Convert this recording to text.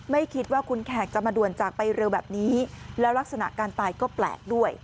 ไม่คิดว่าคุณแขกจะมาด่วนจากไปเร็วแบบนี้แล้วลักษณะการตายก็แปลกด้วย